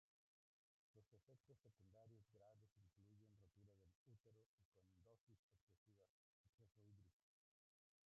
Los efectos secundarios graves incluyen rotura del útero y con dosis excesivas, exceso hídrico.